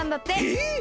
えっ！？